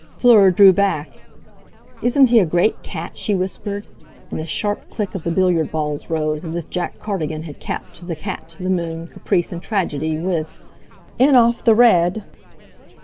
Fleur drew back. "Isn't he a great cat?" she whispered; and the sharp click of the billiard balls rose, as if Jack Cardigan had capped the cat, the moon, caprice, and tragedy with: "In off the red!"